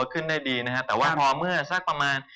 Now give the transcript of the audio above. กี้เดือนที่ผ่านมา